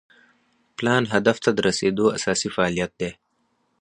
پلان هدف ته د رسیدو اساسي فعالیت دی.